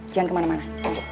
jangan ke mana mana